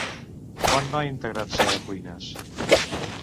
Quan va integrar-se a Cuines?